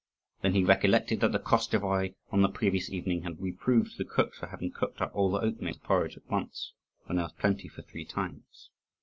Then he recollected that the Koschevoi, on the previous evening, had reproved the cooks for having cooked up all the oatmeal into porridge at once, when there was plenty for three times.